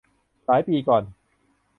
หลายปีก่อน